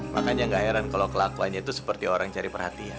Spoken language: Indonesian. makanya gak heran kalau kelakuannya itu seperti orang cari perhatian